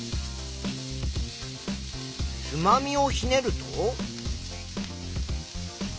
つまみをひねると。